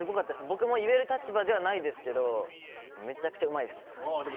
僕も言える立場ではないですけどめちゃくちゃ、うまいです。